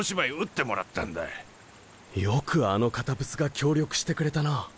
よくあの堅物が協力してくれたな。